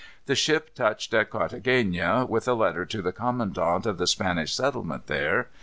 The ship touched at Carthagena, with a letter to the commandant of the Spanish settlement there.